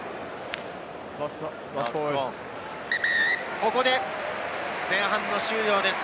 ここで前半の終了です。